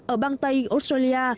ở bang tây australia